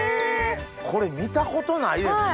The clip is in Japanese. これ見たことないですね。